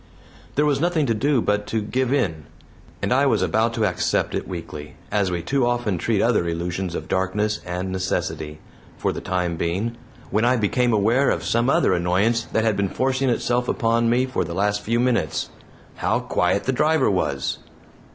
There was nothing to do but to give in and I was about to accept it weakly, as we too often treat other illusions of darkness and necessity, for the time being, when I became aware of some other annoyance that had been forcing itself upon me for the last few moments. How quiet the driver was!